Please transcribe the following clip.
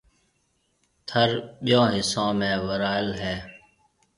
ٿر ٻيو حصو ۾ ورال ھيََََ